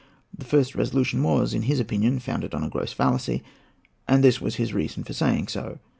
The first resolution was, in his opinion, founded on a gross fallacy; and this was his reason for saying so.